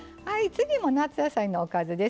次も夏野菜のおかずですね。